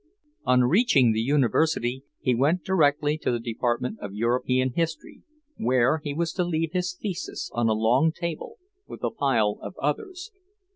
On reaching the University, he went directly to the Department of European History, where he was to leave his thesis on a long table, with a pile of others.